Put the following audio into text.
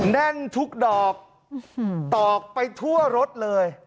แน่นทุกดอกตอกไปทั่วรถเลย